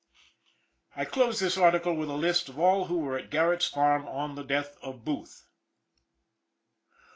I close this article with a list of all who were at Garrett's farm on the death of Booth.